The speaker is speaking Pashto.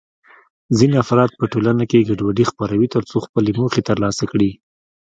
ځینې افراد په ټولنه کې ګډوډي خپروي ترڅو خپلې موخې ترلاسه کړي.